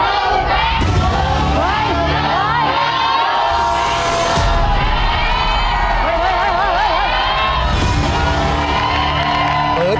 สวัสดีครับสวัสดีครับ